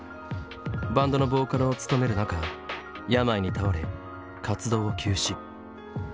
バンドのボーカルを務める中病に倒れ活動を休止。